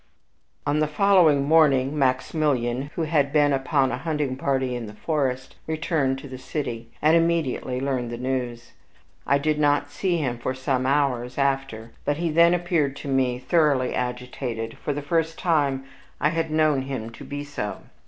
On the following morning, Maximilian, who had been upon a hunting party in the forest, returned to the city, and immediately learned the news. I did not see him for some hours after, but he then appeared to me thoroughly agitated, for the first time I had known him to be so.